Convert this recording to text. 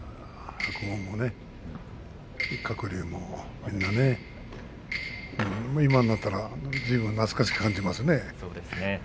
白鵬もね、鶴竜も、みんなね今になったらずいぶん懐かしく感じますね。